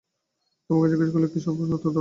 তোমাকে জিজ্ঞেস করলে কি সব প্রশ্নের উত্তর দাও?